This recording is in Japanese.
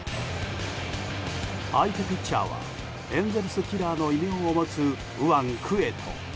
相手ピッチャーはエンゼルスキラーの異名を持つ右腕、クエト。